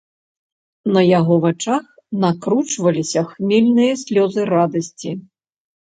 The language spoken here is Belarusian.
На яго вачах накручваліся хмельныя слёзы радасці.